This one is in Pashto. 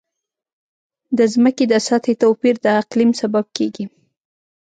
د ځمکې د سطحې توپیر د اقلیم سبب کېږي.